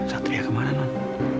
satria kemana non